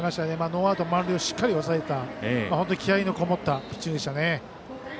ノーアウト満塁をしっかり抑えた気合いのこもったピッチングでしたね。